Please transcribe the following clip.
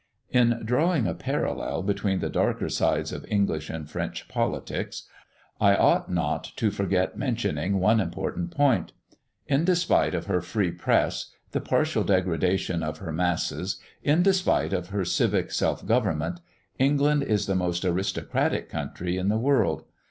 In drawing a parallel between the darker sides of English and French politics, I ought not to forget mentioning one important point. In despite of her free press, the partial degradation of her masses, in despite of her civic self government, England is the most aristocratic country in the world.